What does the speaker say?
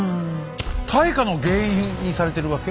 大火の原因にされてるわけ？